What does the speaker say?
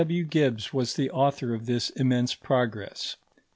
W. Gibbs was the author of this immense progress.